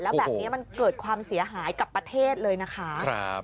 แล้วแบบนี้มันเกิดความเสียหายกับประเทศเลยนะคะ